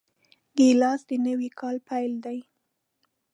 ګیلاس د نوي کاله پیل دی.